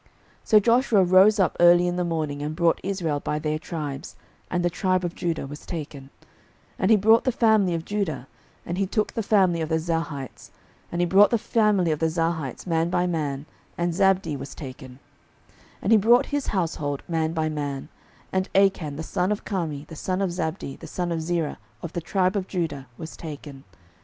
06:007:016 So Joshua rose up early in the morning, and brought Israel by their tribes; and the tribe of Judah was taken: 06:007:017 And he brought the family of Judah; and he took the family of the Zarhites: and he brought the family of the Zarhites man by man; and Zabdi was taken: 06:007:018 And he brought his household man by man; and Achan, the son of Carmi, the son of Zabdi, the son of Zerah, of the tribe of Judah, was taken.